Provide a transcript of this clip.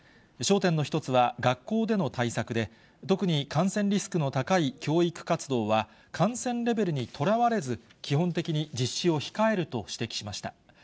焦点の一つは、学校での対策で、特に感染リスクの高い教育活動は、感染レベルにとらわれず、基本的に実施を控えると指摘しました。